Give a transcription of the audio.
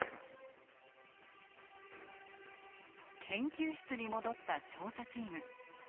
研究室に戻った調査チーム。